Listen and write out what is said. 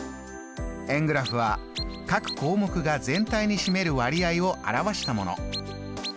円グラフは各項目が全体に占める割合を表したもの。